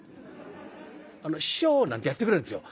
「師匠」なんてやってくれるんですよ。